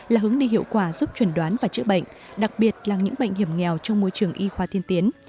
là hướng đi hiệu quả giúp chuẩn đoán và chữa bệnh đặc biệt là những bệnh hiểm nghèo trong môi trường y khoa tiên tiến